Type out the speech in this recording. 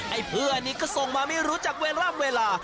ไอ้เพื่อนนี่ก็ส่งมาไม่รู้จักเวลาเวลา